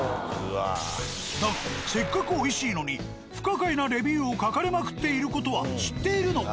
だがせっかくおいしいのに不可解なレビューを書かれまくっている事は知っているのか？